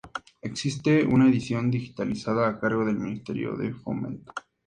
Existe una edición digitalizada, a cargo del Ministerio de Fomento.